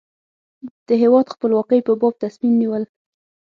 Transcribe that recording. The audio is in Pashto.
د هېواد خپلواکۍ په باب تصمیم نیول.